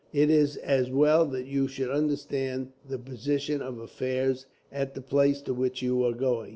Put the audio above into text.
"It is as well that you should understand the position of affairs, at the place to which you are going.